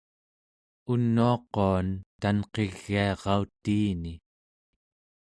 unuaquan tanqigiarautiini